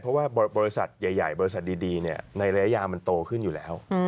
เพราะว่าบริษัทใหญ่บริษัทดีในระยะยาวมันโตขึ้นอยู่แล้ว